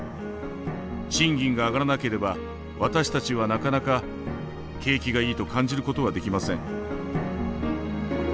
賃金が上がらなければ私たちはなかなか景気がいいと感じることはできません。